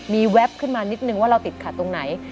มีแวบขึ้นมานิดนึงว่าเราติดขัดตรงไหน